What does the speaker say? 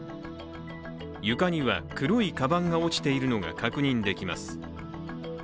床には黒いかばんが落ちているのが確認できます。